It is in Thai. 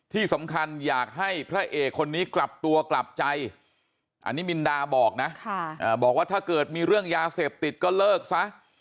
ที่สำคัญอยากให้พระเอกคนนี้กลับตัวกลับใจอันนี้มินดาบอกนะบอกว่าถ้าเกิดมีเรื่องยาเสพติดก็เลิกซะ